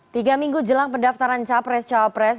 tiga minggu jelang pendaftaran capres cawapres